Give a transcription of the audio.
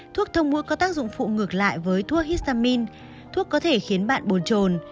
thuốc thông mũi có tác dụng phụ ngược lại với thuốc histamine thuốc có thể khiến bạn buồn trồn